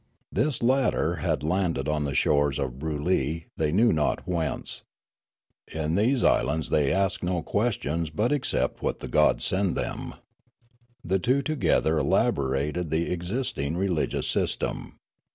This latter had landed on the shores of Broolyi they knew not whence. In these islands they ask no ques tions but accept what the gods send them. The two Broolyi 371 together elaborated the existing religious system.